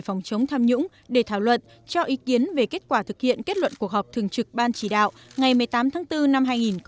phòng chống tham nhũng để thảo luận cho ý kiến về kết quả thực hiện kết luận cuộc họp thường trực ban chỉ đạo ngày một mươi tám tháng bốn năm hai nghìn một mươi chín